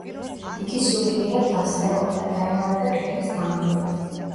იგი სულიერად დასნეულდა, დაემართა ტვინის დამბლა.